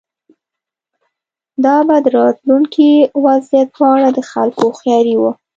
دا به د راتلونکي وضعیت په اړه د خلکو هوښیاري وه.